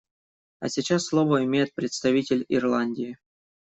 А сейчас слово имеет представитель Ирландии.